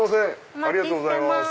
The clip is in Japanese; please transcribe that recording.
ありがとうございます。